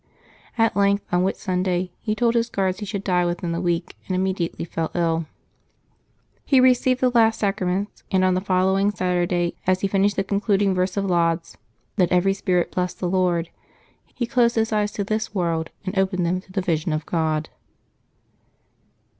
At length, on \Vhit Sunda3', he told his guards he should die within the week, and immediately fell ill. He received the last sacra ments ; and the following Saturday, as he finished the con cluding verse of Lauds, " Let every spirit bless the Lord !" he closed his eyes to this world and opened them to the vision of Grod.